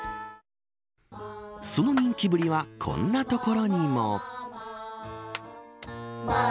その人気ぶりはこんなところにも。